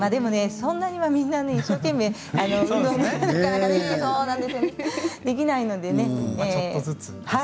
そんなにはみんな一生懸命でなかなかできないんですよね。